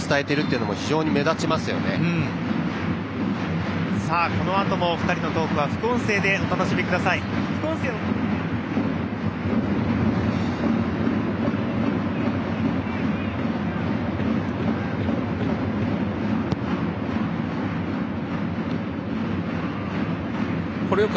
このあともお二人のトークは副音声でお楽しみいただけます。